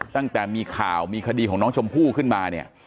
ตั้งแต่มีข่าวมีคดีของน้องชมพู่ขึ้นมาเนี่ย